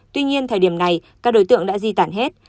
tuy nhiên thời điểm này các đối tượng đã di tản hết